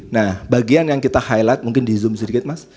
nah bagian yang kita highlight mungkin di zoom sedikit mas